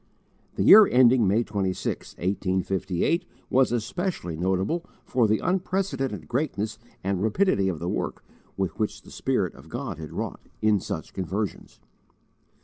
The year ending May 26, 1858 was especially notable for the unprecedented greatness and rapidity of the work which the Spirit of God had wrought, in such conversions.